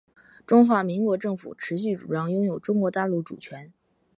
中华民国政府持续主张拥有中国大陆主权